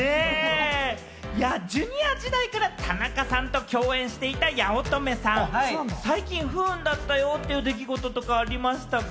Ｊｒ．時代から田中さんと共演していた八乙女さん、最近、不運だったよという出来事とかありましたか？